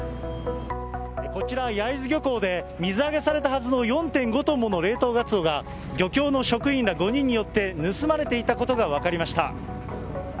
こちら、焼津漁港で水揚げされたはずの４．５トンもの冷凍ガツオが、漁協の職員ら５人によって盗まれていたことが分かりました。